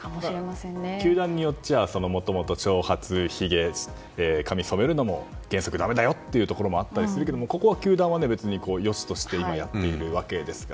球団によってはもともと長髪、ひげ髪を染めるのも原則だめだというのもあるけどここの球団は良しとして、今やっているわけで。